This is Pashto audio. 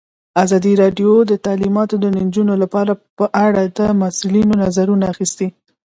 ازادي راډیو د تعلیمات د نجونو لپاره په اړه د مسؤلینو نظرونه اخیستي.